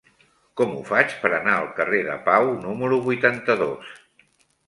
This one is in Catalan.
Com ho faig per anar al carrer de Pau número vuitanta-dos?